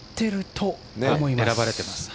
選ばれています。